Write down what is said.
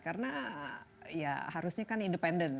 karena ya harusnya kan independen